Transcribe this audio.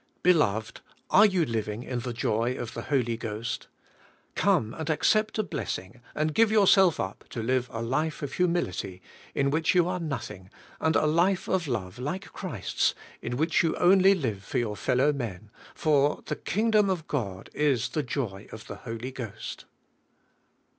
Beloved, are you living in the joy of the Holy Ghost? Come and accept a blessing and give 3'our self up to live a life of humility in which you are nothing, and a life of love like Christ's in which 3^ou only live for your fellow men, for the kingdom of God is the joy of the Holy Ghost.